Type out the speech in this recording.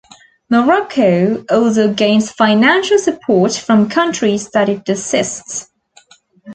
Morocco also gains financial support from countries that it assists.